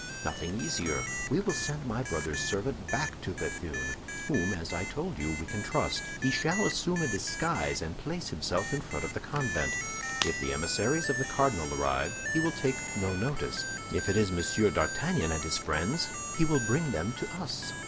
"Nothing easier. We will send my brother's servant back to Béthune, whom, as I told you, we can trust. He shall assume a disguise, and place himself in front of the convent. If the emissaries of the cardinal arrive, he will take no notice; if it is Monsieur d'Artagnan and his friends, he will bring them to us."